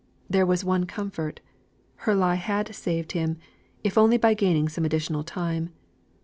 There was one comfort; her lie had saved him, if only by gaining some additional time.